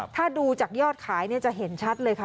ถ้าดูจากยอดขายจะเห็นชัดเลยค่ะ